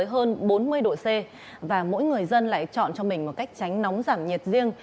hãy chọn cho mình một cách tránh nóng giảm nhiệt riêng